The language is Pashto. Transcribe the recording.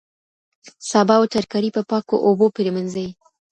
سابه او ترکاري په پاکو اوبو پریمنځئ.